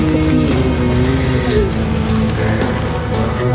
terima kasih ya